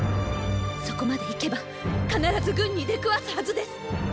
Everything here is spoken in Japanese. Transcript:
そこまで行けば必ず軍に出くわすはずです。